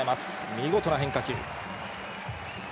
見事な変化球。